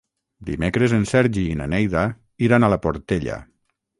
Dimecres en Sergi i na Neida iran a la Portella.